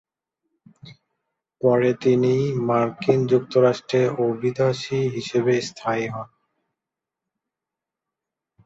পরে তিনি মার্কিন যুক্তরাষ্ট্রে অভিবাসী হিসেবে স্থায়ী হন।